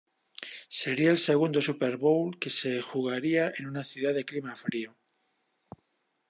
Sería el segundo Super Bowl que se jugaría en una ciudad de clima frío.